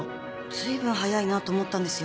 ずいぶん早いなと思ったんですよ。